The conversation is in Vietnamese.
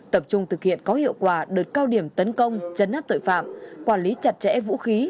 tập trung thực hiện có hiệu quả đợt cao điểm tấn công chấn áp tội phạm quản lý chặt chẽ vũ khí